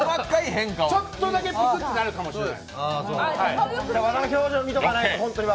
ちょっとだけピクってなるかもしれない。